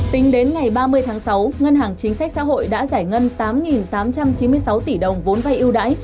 tính đến ngày ba mươi tháng sáu ngân hàng chính sách xã hội đã giải ngân tám tám trăm chín mươi sáu tỷ đồng vốn vay ưu đãi